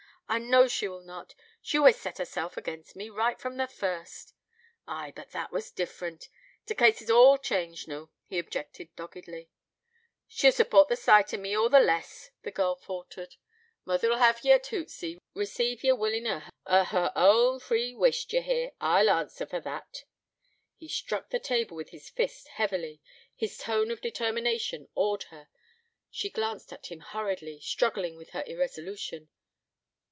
I know she will not... She always set herself against me, right from the first.' 'Ay, but that was different. T' case is all changed noo,' he objected doggedly. 'She'll support the sight of me all the less,' the girl faltered. 'Mother'll hev ye at Hootsey receive ye willin' of her own free wish of her own free wish, d'ye hear? I'll answer for that.' He struck the table with his fist heavily. His tone of determination awed her: she glanced at him hurriedly, struggling with her irresolution.